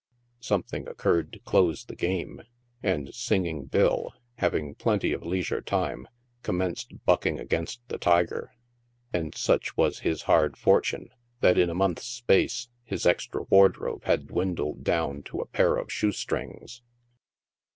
Something occurred to close the game, and " Singing Bill," having plenty of leisure time, commenced bucking against the " tiger," and such was his hard fortune, that in a month's space his extra wardrobe had dwindled down to a pair of shoe strings.